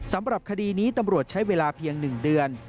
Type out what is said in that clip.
สำหรับคดีนี้ตำรวจใช้เวลาเพียง๑เดือน